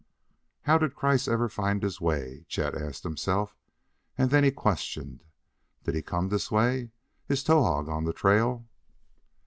"How did Kreiss ever find his way?" Chet asked himself. And then he questioned: "Did he come this way? Is Towahg on the trail?"